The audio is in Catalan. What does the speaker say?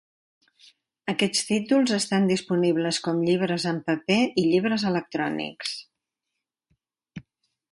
Aquests títols estan disponibles com llibres en paper i llibres electrònics.